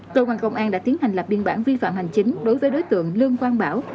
cơ quan công an đã tiến hành lập biên bản vi phạm hành chính đối với đối tượng lương quang bảo